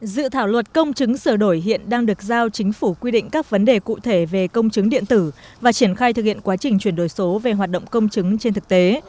dự thảo luật công chứng sửa đổi hiện đang được giao chính phủ quy định các vấn đề cụ thể về công chứng điện tử và triển khai thực hiện quá trình chuyển đổi số về hoạt động công chứng trên thực tế